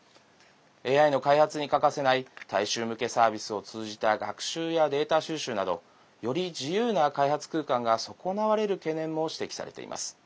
ＡＩの開発に欠かせない大衆向けサービスを通じた学習やデータ収集などより自由な開発空間が損なわれる懸念も指摘されています。